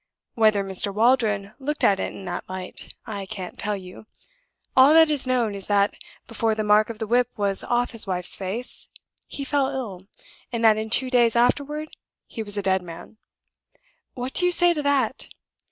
Whether Mr. Waldron looked at it in that light, I can't tell you. All that is known is that, before the mark of the whip was off his wife's face, he fell ill, and that in two days afterward he was a dead man. What do you say to that?"